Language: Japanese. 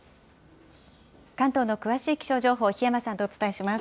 関東の詳しい気象情報、檜山さんとお伝えします。